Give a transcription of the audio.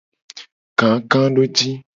Kakadoji.